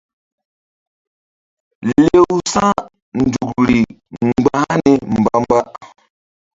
Lew sa̧nzukri mgba hani mba-mba.